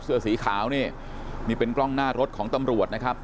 เสื้อสีขาวนี่นี่เป็นกล้องหน้ารถของตำรวจนะครับ